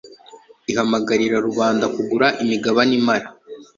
ihamagarira rubanda kugura imigabane imara